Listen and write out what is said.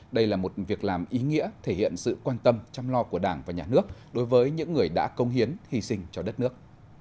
đây là một việc làm ý nghĩa thể hiện sự quan tâm chăm lo của đảng và nhà nước đối với những người đã công hiến hy sinh cho đất nước